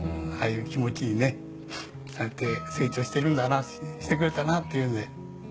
ああいう気持ちにねなって成長してるんだなってしてくれたなっていうんで。